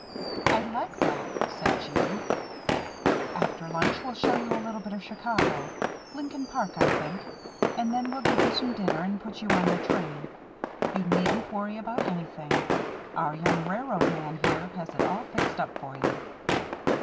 "I'll like that," said Jeanne. "After lunch, we'll show you a little bit of Chicago Lincoln Park, I think and then we'll give you some dinner and put you on your train. You needn't worry about anything. Our young railroad man, here, has it all fixed up for you."